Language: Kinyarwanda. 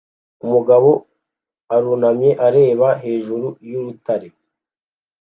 Umugabo arunamye areba hejuru y'urutare